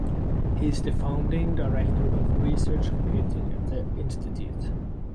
He is the founding director of Research Computing at the institute.